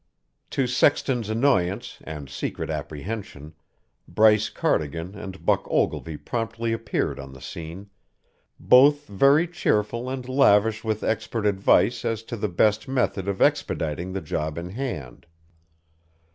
To Sexton's annoyance and secret apprehension, Bryce Cardigan and Buck Ogilvy promptly appeared on the scene, both very cheerful and lavish with expert advice as to the best method of expediting the job in hand.